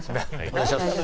お願いします。